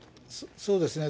そうですね。